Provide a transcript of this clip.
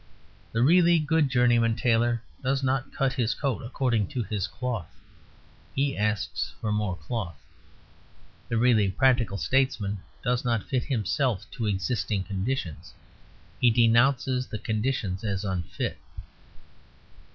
The really good journeyman tailor does not cut his coat according to his cloth; he asks for more cloth. The really practical statesman does not fit himself to existing conditions, he denounces the conditions as unfit.